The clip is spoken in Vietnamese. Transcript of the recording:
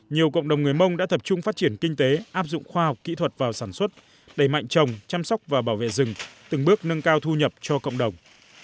nhiều cộng đồng người mông đã tập trung phát triển kinh tế áp dụng khoa học kỹ thuật vào sản xuất đẩy mạnh trồng chăm sóc và bảo vệ rừng từng bước nâng cao thu nhập cho cộng đồng